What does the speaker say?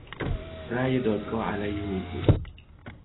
رای دادگاه علیه او بود.